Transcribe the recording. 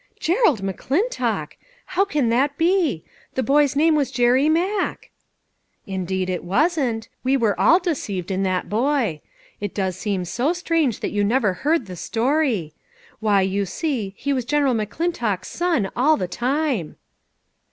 " Gerald McClintock ! How can that be ? That boy's name was Jerry Mack." "Indeed it wasn't. We were all deceived in that boy. It does seem so strange that you have never heard the story ! Why, you see, he was General McClintock's son all the time."